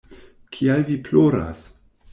Kial vi ploras?